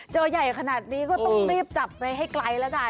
ใหญ่ขนาดนี้ก็ต้องรีบจับไปให้ไกลแล้วกัน